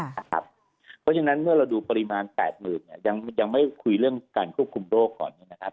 เพราะฉะนั้นเมื่อเราดูปริมาณ๘๐๐๐เนี่ยยังไม่คุยเรื่องการควบคุมโรคก่อน